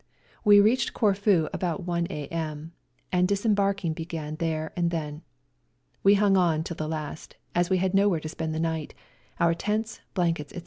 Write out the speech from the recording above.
We reached Corfu about 1 a.m., and disembarking began there and then. We hung on till the last, as we had nowhere to spend the night, our tents, blankets, etc.